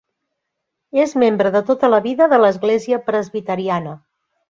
És membre de tota la vida de l'Església Presbiteriana.